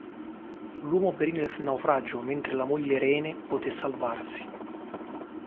L'uomo perì nel naufragio mentre la moglie Rene poté salvarsi.